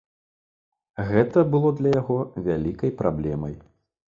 Гэта было для яго вялікай праблемай.